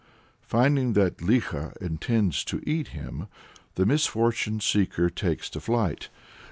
Finding that Likho intends to eat him, the misfortune seeker takes to flight.